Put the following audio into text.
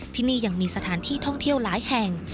ที่นี่ยังมีสถานที่ท่องเที่ยวหลายแห่ง